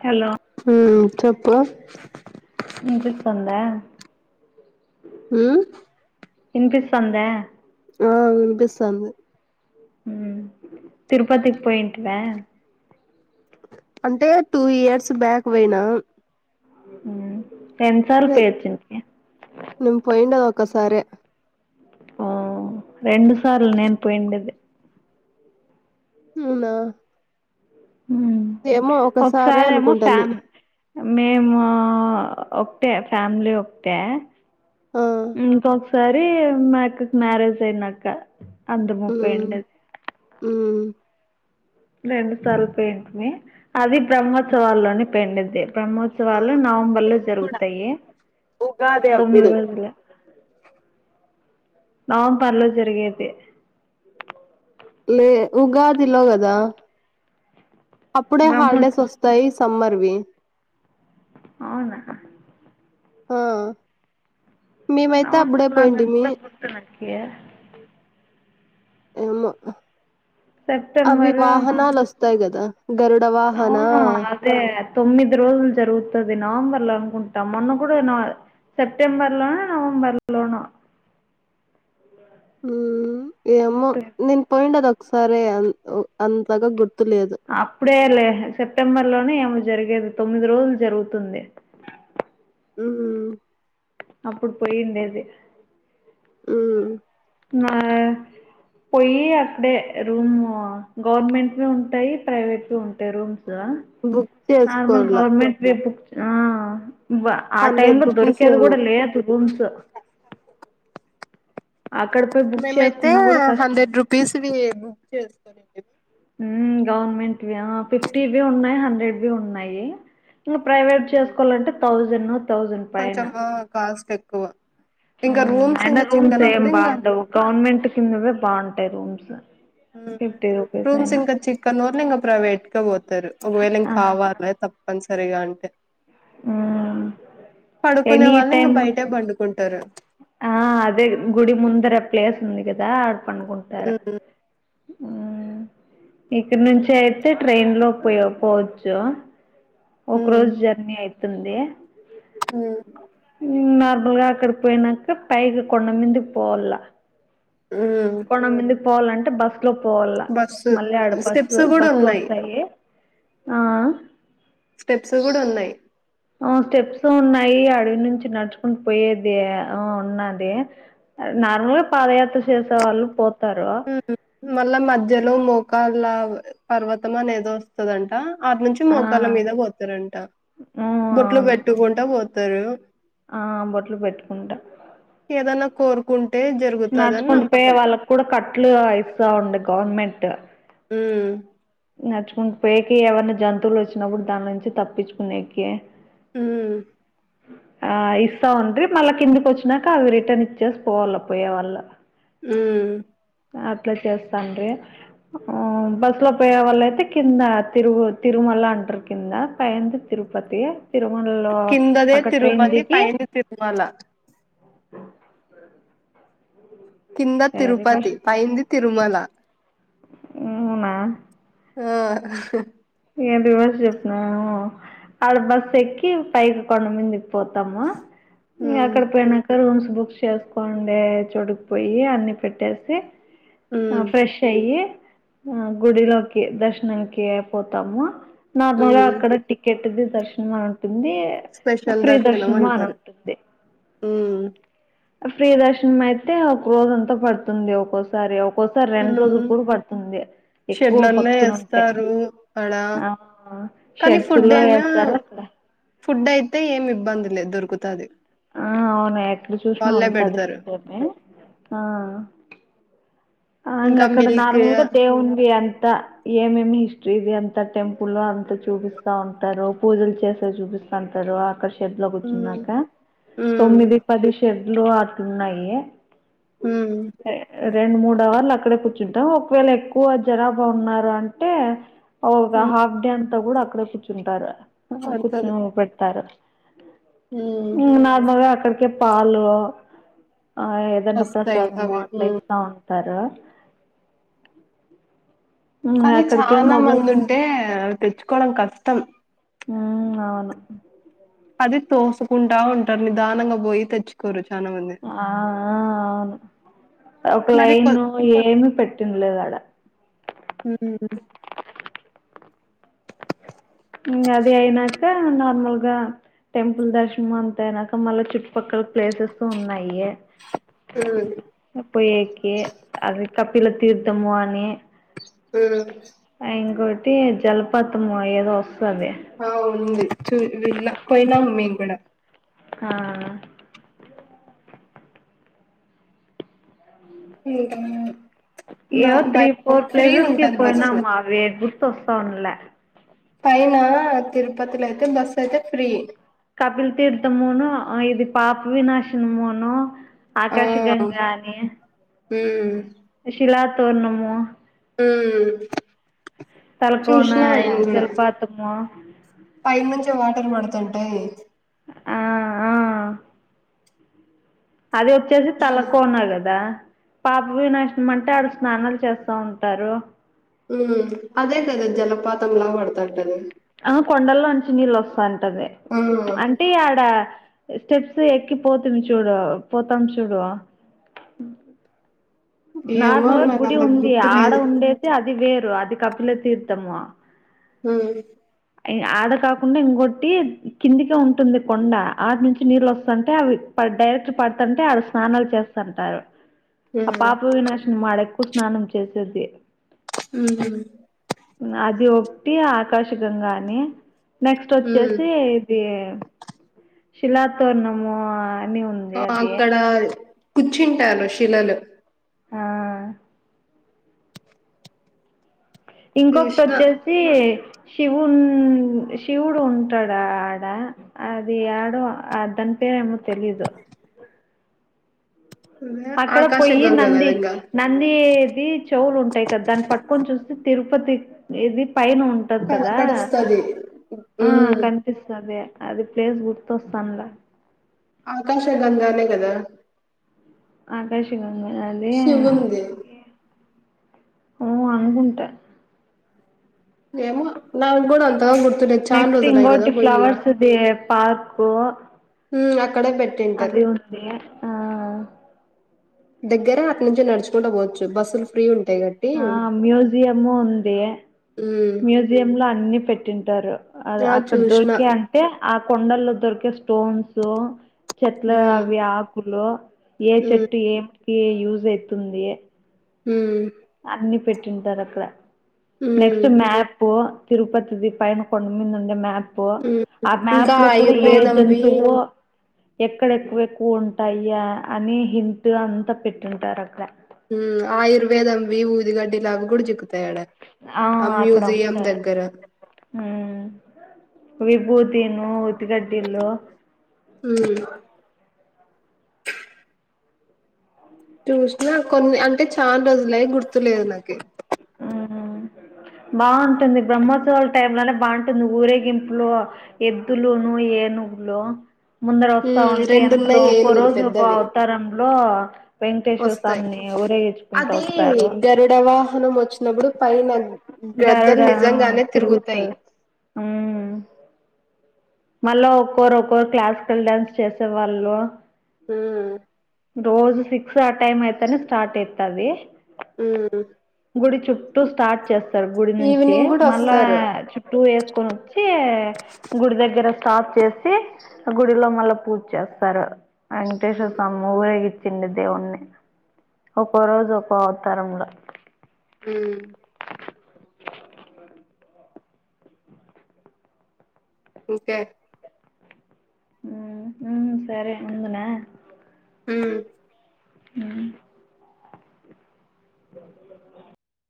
Hello హ్మ్ చెప్పు విన్పిస్తోంద హ్మ్ ఇన్పిస్తోంద ఆ వినిపిస్తంది ఉ తిరుపతికి పోయింటివా అంటే టూ ఇయర్స్ బ్యాక్ పోయినా ఉ ఎన్నిసార్లు పోయి లే- వచ్చుంటివి ఒక్కసారి ఉ రెండు సార్లు నేను పోయింది అయితే అవునా ఉ ఏమో ఒకసారే ఒకసారేమో అనుకుంటాను ఫ్యాన్ మేము ఒకటే ఫ్యామిలీ ఒకటే ఆ ఇంకా ఒకసారి మా అక్క మ్యారేజ్ అయినాక అంద ముప్పై ఉమ్ ఉండేది ఉమ్ రెండు సార్లు పోయింటిమి అది బ బ్రహ్మోత్సవాల్లో పోయింటిమి ఆ బ్రహ్మోత్సవాలు నవంబర్ లో నేను కూడా జరుగుతాయి ఉగాది తొమ్మిది అప్పుడు రోజులు ఆ నవంబర్లో జరిగేది లే ఉగాది లో కదా అప్పుడే హాలిడేస్ బ్రహ్మోత్సవం వస్తాయి సమ్మర్వి అవునా ఆ మేమైతే అప్పుడే నవంబర్లో అన్నట్టు పోయింటిమి గుర్తుఉంటివి నాకి ఏమో అవి సెప్టెంబర్ వాహనాలు వస్తాయి కదా గరుడ వాహనా అవును అదే తొమ్మిది రోజులు జరుగుతది నవంబర్లు అనుకుంటాం మొన్న కూడా నా సెప్టెంబర్ లోను నవంబర్ లోను ఉ హు ఏమో పోయింద ఒకసారి అ అంతగా గుర్తు అప్పుడే లే సెప్టెంబర్ ఏమో జరిగేది తొమ్మిది రోజులు జరుగుతుంది ఉ అప్పుడు పొయ్యి ఉండేది ఉ నా పోయి అక్కడే రూము గవర్నమెంట్ ఉంటాయి ప్రైవేట్ ఉంటాయి రూమ్స్ హలో బుక్ నార్మల్ చేసుకోల. గవర్నమెంట్ ఆ ఆ టైమ్ లో రూపీస్ దొరికేది ఏమో. కూడా లేదు రూమ్స్ అక్కడ పోయి బుక్ మేమైతే చేసుకున్నా కూడా కష్టమే హండ్రెడ్ రూపీస్ బుక్ చేసుకోనుంటిమీ ఉ గవర్నమెంట్ ఫిఫ్టీ బి ఉన్నాయి హండ్రెడ్ బి ఉన్నాయి ఇంకా ప్రైవేట్ చేసుకోవాలంటే థౌసండ్ కొంచము కాస్ట్ ఎక్కువ ఉ ఇంక రూమ్స్ ఇంగ అయినా రూమ్స్ ఏం చిక్కనప్పుడు ఇంగ బాగుండవు గవర్నమెంట్ కిందవే బాగుంటాయి రూమ్స్ ఉ ఫిఫ్టీ రూపీస్ రూమ్స్ అయినా ఇంకా చిక్కన నోళ్లు ఇంకా ప్రవేట్ కే పోతారు ఒకవేళ ఆ ఇంకా కావాలి తప్పని సరిగా అంటే ఉమ్ పడుకునే ఎనీ వాళ్ళ ఇంకా టైమ్ బయటే పండు చేసుకుంటారా ఆ అదే గుడి ముందర ప్లేస్ ఉంది కదా పడుకుంటారు హ్మ్. ఉ ఇక్కడ నుంచి అయితే ట్రైన్ లో పోయ పోవచ్చు ఒక హ్మ్. రోజు జర్నీ అయితుంది హ్మ్. నార్ ముందుగా అక్కడికి పోయినాక పైకి కొండమంది పోలా ఉ పోవాలంటే బస్ లో పోవాల మళ్ళీ ఆడ బస్సు స్టెప్స్ కూడా బస్సు ఉన్నాయి వస్తాయి ఆ స్టెప్స్ కూడా ఉన్నయ్ ఆ స్టెప్స్ ఉన్నయి అడవి నుంచి నడుచుకుంటూ పోయేది ఆ ఉన్నది. నార్మల్ గా పాదయాత్ర సేసే వాళ్ళు పోతారు. మళ్ళా మధ్యలో మోకాళ్ళ పర్వతం అనేదో వస్తదంట. ఆటి నుంచి ఆ మోకాళ్ళ మీద పోతారంట. ఉ బొట్లు అవును పెట్టుకుంటా పోతారు. ట్టుంట కోరుకుం నడుచుకుంటూ పోయే వాళ్ళకి కూడా కట్లు ఇస్తా ఉండ గవర్నమెంట్ ఉ నడుచుకుంటూ పోయేకి ఎవరినా జంతువులు వచ్చినప్పుడు దాని నుంచి తప్పించుకుని ఎక్కి ఊ ఆ ఇస్తావుండ్రి మళ్ళా కిందికి వచ్చినాక అవి రిటర్న్ ఇచ్చేసి పోవాల పోయే వాళ్ళ ఉమ్ అట్ల చేస్తాండ్రి ఒ బస్ లో పోయే వాళ్ళ అయితే కింద తిరుగు తిరుమల అంటారు కింద. పయింది తిరుపతి తిరుమలలో కిందదే అక్కడ ట్రైన్ తిరుపతి దికి పైంది తిరుమల కింద తిరుపతి పైంది తిరుమల ఊనా ఆ ఏంది రివర్స్ చెప్పినవ్ అడ బస్ ఎక్కి పైకి కొండ మిందికి పోతాం. ఉమ్ అక్కడ పోయినంక బుక్ చేసుకోండే చొడుకిపోయి అన్ని పెట్టేసి ఆ ఉమ్ ఫ్రెష్ అయ్యి ఆ గుడిలోకి దర్శనానికి పోతాము నార్మల్ గా ఉమ్ అక్కడ టికెట్ది దర్శనం ది స్పెషల్ ప్రీ దర్శనం అని అంటారు ఉంటుంది. ఉమ్ ఫ్రీ దర్శనం అయితే ఒక రోజ అంతా పడుతుంది. ఒక్కోసారి ఒక పోతే రెండు రోజులు ఉమ్ కూడా పడుతుంది. ఎక్కువ షెడ్లల్లో భక్తులు ఉంటే ఏస్తారు ఆడ ఆ కానీ షెడ్స్ ఫుడ్ ల్లో ఏమో ఏస్తారు ఫుడ్ అయితే ఏమి ఇబ్బంది లే దొరుకుతది. ఆ అవును ఎక్కడ చూసినా వాళ్ళే ఉంటది పెడతారు ఫద్దమే ఆ ఆ ఇంకా అక్కడ మిల్క్ నార్మల్గా దేవుంది అంతా ఏమేమి ఇష్ ఇది అంత టెంపుల్ అంత చూపిస్తా ఉంటారు. పూజలు చేస్తే చూపిస్తా ఉంటారు ఆకర్ షెడ్లు ఉమ్ కూర్చున్నాక ఉమ్ తొమ్మిది పది షెడ్లు అట్లున్నాయి ఉ రెండు మూడు అవర్లు అక్కడే కూర్చుంటాం. ఒకవేళ ఎక్కువ జనాబా ఉన్నారు అంటే ఓక ఉమ్ హాఫ్ డే అంతా కూడా అక్కడే కూర్చుంటారు కూర్చు పడతది పెడతారు ఉమ్ ఉ నార్మల్గా అక్కడికే పాలు ఆ ఏదన్న వస్తాయి ప్రసాదము అవి అట్లా ఉమ్ ఇస్తా ఉంటారు. మ్మ్ కానీ అక్కడికేం చాలా మొబైల్ మంది ఉంటే తెచ్చుకోవడం కష్టం హ అవును అది తోసుకుంటా ఉంటారు. నిదానంగా పోయి తెచ్చుకోరు. చానా మంది ఆ అవును ఒక మరి కొ లైన్ ఏమి పెట్టిండలేదు ఆడ ఉ అదే అయినాక న ల్గా టెంపుల్ దర్శనం అంత అనాక మళ్ళా చుట్టుపక్కల ప్లేసెస్ ఉన్నాయ ఉమ్ పోయికి అది కపిల తీర్థమునే హ అయితే జలపాతం ఏదో వస్తుంది ఆ ఉంది చూ విన్నా పోయినాం మేము కూడా ఆ ఏ ఏయ్యో త్రీ ఫోర్ ప్లేసెస్ కి ఉంటది బస్సు పోయినామా అవి గుర్తు వస్తాంలే పైన తిరుపతిలో అయితే బస్సు అయితే ఫ్రీ కపిల్ తీీడుత మన ఇది పాపు వి నాశిన మన ఆ ఉమ్ ఆకాశగంగా అని శిలా తోర్ణము హమ్ తలకోన చూసిన అయన కూడా జలపాతము పైంచి వాటర్ పడుతుంటే ఆ ఆ అది వచ్చేసి చూసిన తలక్కనా కదా పాప వినాశనం అంటే ఆడ స్నానాలు చేస్తా ఉంటారు ఉ అదే కదే జలపాతం లా పడుతా ఉంటది ఆ కొండల్లో నుంచి నీళ్ళు వస్తాంటది ఆ అంటే ఆడ స్టెప్స్ ఎకి పోతు చూడు పోతాం చూడువా ఏమో నార్ముల్గా నాకు గుడి అంత ఉంది గుర్తు ఆడ లేదు ఉండేతే అది వేరు అది కప్పుల తీర్తముమా హమ్ ఆడ కాకుండా ఇంకొట్టి కిందికే ఉంటుంది కొండ ఆటి నుంచి నీళ్ళు వస్తుంటే అవి డైరెక్ట్ పడుతుంటే ఆడ స్నాలు చేస్తుంటారు ఆ ఉమ్ పాప వినాశని మాడెక్కువ స్నానం చేసేది హ అది ఒకటి ఆకాశగంగానే నెక్స్ట్ ఉమ్ వచ్చేసి ఇది శిలా తోరణము ఆ అక్కడ కూర్చుంటాను షిలలు ఆ ఇంకొకటి చూసిన వచ్చేసి శివు శివుడు ఉంటాడు ఆడ అది ఆడ ఆ దాని పేరు ఏ తెలిదు అదే అక్కడ పోయి ఆకాశగంగ కదా నంది ఇంగా నందిది చెవులు ఉంటాయి క దాన్ని పట్టుకొని చూస్త తిరుగు ఉరుపతి ఇది పైన ఉంటది కదా కనపడుస్తది ఆ ఉమ్ కనిపిస్తుంది అది ప్లేస్ గుర్తొస్తానులా ఆకాశ గంగానే కదా ఆకాశ గంగా నాది శివుంది ఓ అనుకుంటా ఏమ నా కూడా అంత నెక్స్ట్ ఇంకోటి ఫ్లవర్స్ ఇది పార్కు ఉమ్ అక్కడే పెట్టింటారు అది ఉంది ఆ ఆ ఆ దెగ్గరే అట్ నుంచల్ నడుచుకుంట పోవచ్చు బస్సులు ఫ్రీ ఉం ఆ మ్యూజియము ఉంది ఉమ్ మ్యూజియంల అన్ని పెట్టింటారు అద్ ఆ అక్కడ్ చూసిన దొరికే అంటే ఆ కొండల్లో దొరికే స్టోన్సు చెట్ల ఉమ్ అవి ఆకులు ఏ ఉమ్ చెట్టు ఏమ్ కి యూజ్ అయ్ తుంది ఉమ్ అన్ని పెట్టింటరు అక్కడ నెక్స్ట్ ఉమ్ మ్యాపు తిరుపతిది పైను కొండ్ మీందుండే మ్యాప్ పో ఉమ్ ఆ ఇంకా మ్యప్ లో కూడ ఏ ఆయుర్వేదంవి జంతువో ఎక్కడ ఎక్కు ఎక్కువు ఉంటాయ అని హింతు అంతా పెట్టుంటరు అక్ డా హ్మ్ ఆయుర్ వేదం విభూది గడ్డి లాగ గుడా చిక్కు ఆ అక్కడ ఉంటారు దగ్గర ఉమ్మ్ విభూతీను ఉత్తిగడ్డిలు ఉమ్ చూషు నా కొన్ని అంటే చాన్ రోజ్ లయ్ గుర్తులేద్ నాకి ఉ బాఉంటుంది బ్రహ్మోత్సవాల్ టై లోనే బాఉంటుంది ఊరేగింపులో ఎద్దులును ఏను లో ముందర వస్తా ఉమ్ ఉంటే యేనకలు రెండున్నాయి ఒక్కో ఏనుగులు రోజు ఒకో పెద్దవి ఔతరమ్ లో వెంక్ టేష్ ల్ సామ్ వస్తాయి నీ ఓ అది గరుడ వాహనం ఓచ్ నపుడు గరుడ తిరుగుత తిరుగుతాయి ఉమ్ మళ్ళా ఒక్కోర్ ఒక్కోరు క్లాస్ కల్ డ్యాన్స్ చేసే వాళ్ళు ఉహుమ్ రోజు సిక్స్ ఆ టైమ్ అయ్ తేనే స్టార్ట్ అయ్ తది ఉమ్ గుడి చుట్టూ స్టార్ట్ చేస్తర్ గుడి నుంచి ఈవినింగ్ కూడా మళ్ళా వస్తారు చుట్టూ యెస్ కొనొచ్చి గుడి దగ్గర స్టాప్ చేసి గుడిలో మళ్ళా పూజ్ చేస్తారు యంక్ టేష్ ల్ ఉమ్ సామి ఏచిన్న దేవుణ్ణి ఒక్కో రోజు ఒక్కో ఔతారంలో ఉమ్ ఇంకే ఉమ్ హుహుమ్ సరే ఉందున ఉమ్ అ